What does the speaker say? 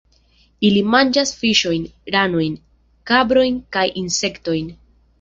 Ili manĝas fiŝojn, ranojn, krabojn kaj insektojn.